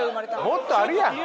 もっとあるやん！